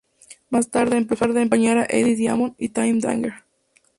Más tarde, empezó a acompañar a Eddie Diamond y Timmy Danger.